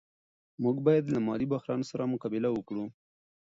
موږ باید له مالي بحران سره مقابله وکړو.